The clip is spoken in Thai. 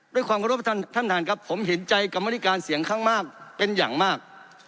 ด้วยความขอรบท่านท่านครับผมเห็นใจกรรมนิการเสียงข้างมากเป็นอย่างมาก